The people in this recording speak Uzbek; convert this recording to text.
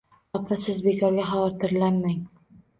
Opa, siz bekorga xavotirlanmang